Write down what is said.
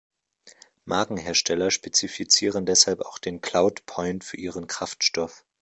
Markenhersteller spezifizieren deshalb auch den Cloud Point für ihren Kraftstoff.